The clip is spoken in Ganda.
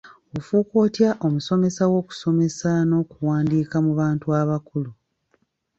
Ofuuka otya omusomesa w'okusoma n'okuwandiika mu bantu abakulu?